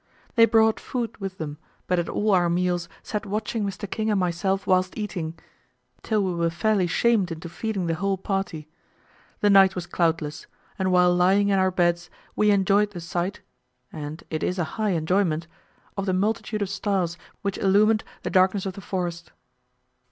They brought food with them, but at all our meals sat watching Mr. King and myself whilst eating, till we were fairly shamed into feeding the whole party. The night was cloudless; and while lying in our beds, we enjoyed the sight (and it is a high enjoyment) of the multitude of stars which illumined the darkness of the forest.